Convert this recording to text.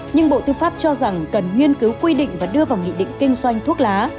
nhưng bộ tư pháp cho rằng cần nghiên cứu quy định và đưa vào nghị định kinh doanh thuốc lá